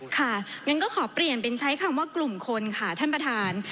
งั้นก็ขอเปลี่ยนเป็นใช้คำว่ากลุ่มคนค่ะท่านประธาน